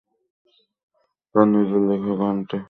তার নিজের লেখা গানটি নারীবাদের প্রতি সম্মাননা প্রদর্শন।